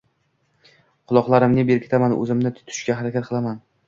Quloqlarimni berkitaman, o`zimni tutishga harakat qilaman